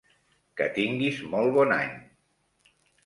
Que tinguis molt bon any!